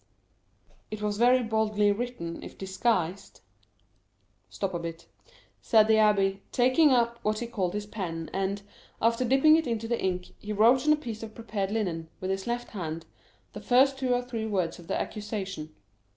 "It was very boldly written, if disguised." "Stop a bit," said the abbé, taking up what he called his pen, and, after dipping it into the ink, he wrote on a piece of prepared linen, with his left hand, the first two or three words of the accusation.